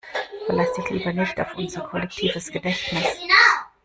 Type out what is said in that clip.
Verlass dich lieber nicht auf unser kollektives Gedächtnis!